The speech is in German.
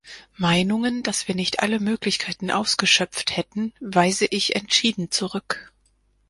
Meinungen, dass wir nicht alle Möglichkeiten ausgeschöpft hätten, weise ich entschieden zurück.